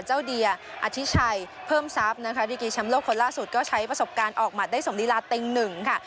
เดียอธิชัยเพิ่มทรัพย์นะคะดีกีแชมป์โลกคนล่าสุดก็ใช้ประสบการณ์ออกหมัดได้สมลีลาเต็งหนึ่งค่ะ